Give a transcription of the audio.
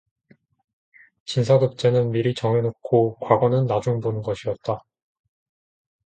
진사 급제는 미리 정해놓고 과거는 나중 보는 것이었다.